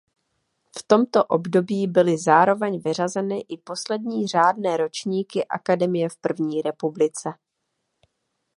V tomto období byly zároveň vyřazeny i poslední řádné ročníky akademie v první republice.